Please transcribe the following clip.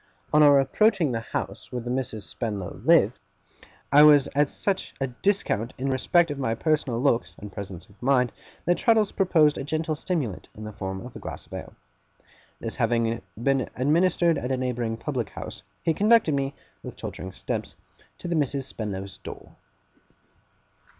On our approaching the house where the Misses Spenlow lived, I was at such a discount in respect of my personal looks and presence of mind, that Traddles proposed a gentle stimulant in the form of a glass of ale. This having been administered at a neighbouring public house, he conducted me, with tottering steps, to the Misses Spenlow's door.